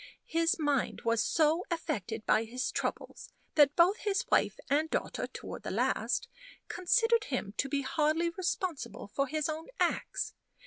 His mind was so affected by his troubles that both his wife and daughter, toward the last, considered him to be hardly responsible for his own acts.